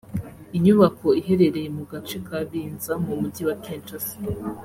inyubako iherereye mu gace ka Binza mu mujyi wa Kinshasa